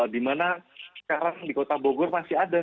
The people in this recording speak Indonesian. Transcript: dimana sekarang di kota bogor masih ada